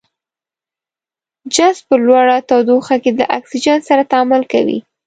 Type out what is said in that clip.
جست په لوړه تودوخه کې له اکسیجن سره تعامل کوي.